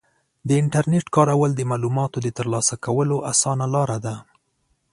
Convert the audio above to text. د انټرنیټ کارول د معلوماتو د ترلاسه کولو اسانه لاره ده.